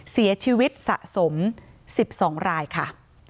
เสียชีวิตสะสม๑๒รายค่ะ